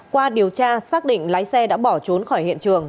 qua điều tra xác định lái xe đã bỏ trốn khỏi hiện trường